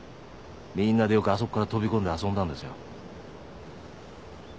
みんなでよくあそこから飛び込んで遊んだんですよ。